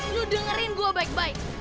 lu dengerin gue baik baik